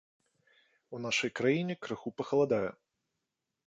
У нашай краіне крыху пахаладае.